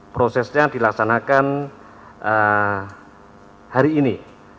prosesnya dilaksanakan hari ini